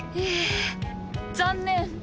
え残念。